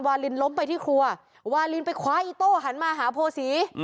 วาลินล้มไปที่ครัววาลินไปคว้าอีโต้หันมาหาโพศี